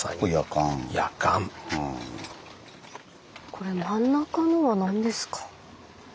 これ真ん中のは何ですか？